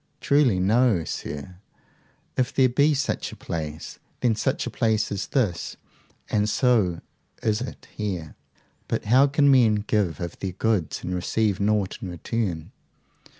Truly no, sir, if there be such a place. Then such a place is this, and so is it here. But how can men give of their goods and receive nought in return?